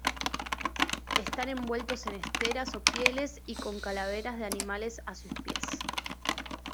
Están envueltos en esteras o pieles y con calaveras de animales a sus pies.